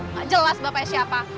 nggak jelas bapaknya siapa